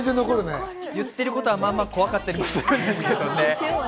言っていることは怖かったりするんですけどね。